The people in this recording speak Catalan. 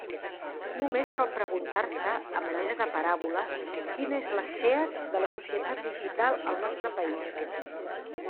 Només cal preguntar-se, a manera de paràbola, quina és la SEAT de la societat digital al nostre país.